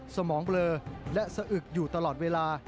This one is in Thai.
สมองเบลอและสะอึกอยู่ตลอดเวลา